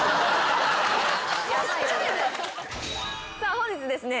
本日ですね